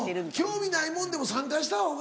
興味ないもんでも参加したほうが。